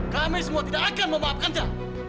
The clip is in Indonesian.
kami semua tidak akan memaafkannya